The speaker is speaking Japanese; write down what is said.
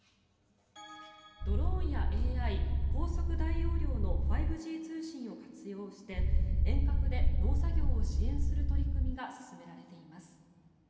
ドローンやＡＩ高速大容量の５Ｇ通信を活用して遠隔で農作業を支援する取り組みが進められています。